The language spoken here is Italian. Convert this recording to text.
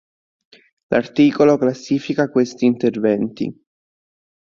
L'articolo classifica questi interventi.